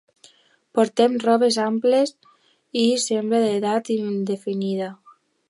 Porten robes amples i semblen d'edat indefinida.